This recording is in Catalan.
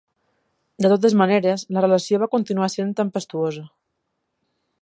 De totes maneres, la relació va continuar sent tempestuosa.